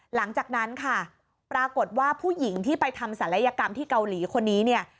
หลังจากนั้นค่ะปรากฏว่าผู้หญิงที่ไปทำศัลยกรรมที่เกาหลีคนนี้เนี่ย